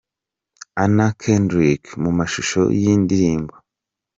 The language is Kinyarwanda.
Anna Kendrick mu mashusho y'iyi ndirimbo.